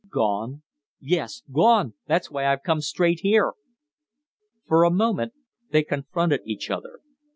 "Gone?" "Yes, gone. That's why I've come straight here." For a moment they confronted each other.